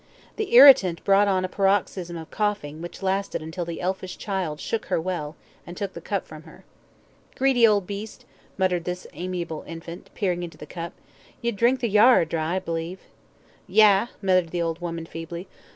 The irritant brought on a paroxysm of coughing which lasted until the elfish child shook her well, and took the cup from her. "Greedy old beast," muttered this amiable infant, peering into the cup, "ye'd drink the Yarrer dry, I b'lieve." "Yah!" muttered the old woman feebly.